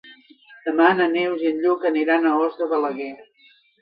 Demà na Neus i en Lluc aniran a Os de Balaguer.